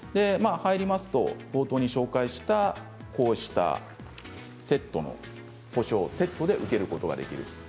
入りますと冒頭に紹介したこうしたセットの補償を受けることができます。